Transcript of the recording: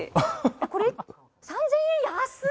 これ３０００円安い！